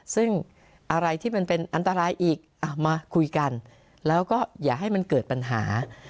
ซึ่งอะไรที่มันเป็นอันตรายอีกมาคุยกันแล้วก็อย่าให้มันเกิดปัญหา